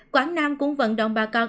quảng nam cũng vận động bà con